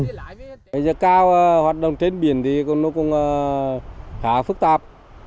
giả cao hoạt động trên biển thì nó cũng khá phức tạp